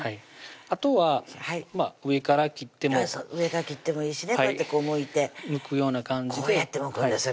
あとは上から切っても上から切ってもいいしねこうやってむいてむくような感じでこうやってむくんですよ